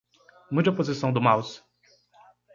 Mude a posição do mouse.